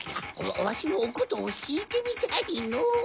わしもおことをひいてみたいのう。